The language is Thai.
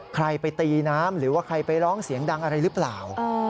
ใครไปตีน้ำหรือว่าใครไปร้องเสียงดังอะไรหรือเปล่า